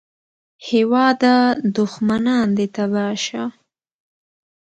هېواده دوښمنان دې تباه شه